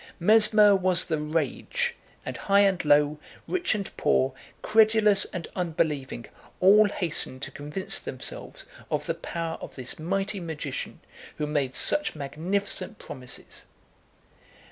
Mesmer was the rage; and high and low, rich and poor, credulous and unbelieving, all hastened to convince themselves of the power of this mighty magician, who made such magnificent promises.